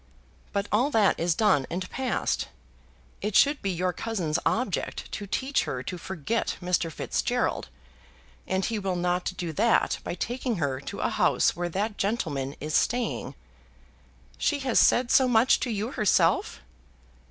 But all that is done and past. It should be your cousin's object to teach her to forget Mr. Fitzgerald, and he will not do that by taking her to a house where that gentleman is staying." "She has said so much to you herself?"